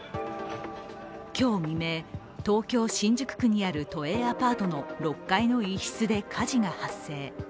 今日未明、東京・新宿区にある都営アパートの６階の一室で火事が発生。